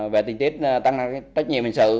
về tinh tiết tăng trách nhiệm hình sự